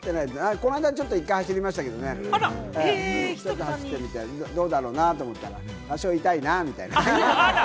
この間、ちょっと１回走りましたけれどもね、また走ってみたい、どうだろうなと思ったら多少痛いなみたいな。